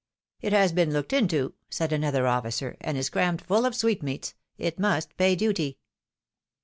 " It has been looked into," said another offioer, " and is crammed fuU of sweetmeats. It must pay duty."